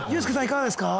いかがですか？